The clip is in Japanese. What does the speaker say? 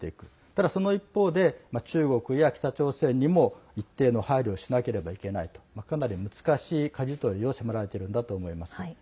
ただ、その一方で中国や北朝鮮にも一定の配慮をしなければいけないとかなり難しいかじ取りを迫られているんだと思います。